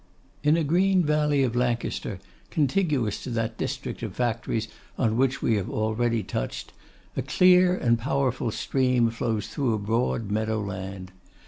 In a green valley of Lancaster, contiguous to that district of factories on which we have already touched, a clear and powerful stream flows through a broad meadow land.